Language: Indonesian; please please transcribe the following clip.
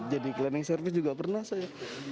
jadi cleaning service juga pernah saya